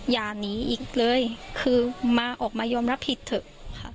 อย่าหนีอีกเลยคือมาออกมายอมรับผิดเถอะค่ะ